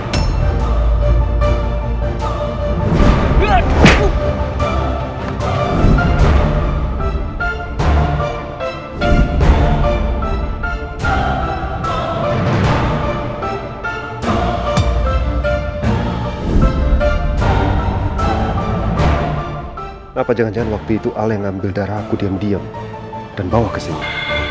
kenapa jangan jangan waktu itu al yang ambil darah aku diam diam dan bawa kesini